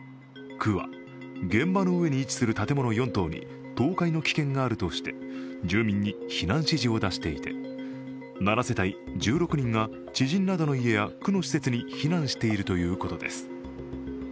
区は現場の上に位置する建物４棟に倒壊の危険があるとして住民に避難指示を出していて７世帯１６人が知人などの家や区の施設に避難しているということです。